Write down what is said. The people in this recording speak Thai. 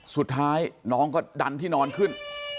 สุดท้ายน้องก็ดันที่นอนขึ้น